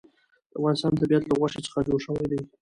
د افغانستان طبیعت له غوښې څخه جوړ شوی دی.